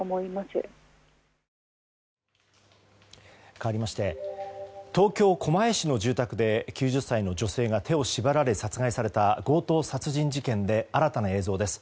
かわりまして東京・狛江市の住宅で９０歳の女性が手を縛られ殺害された強盗殺人事件で新たな映像です。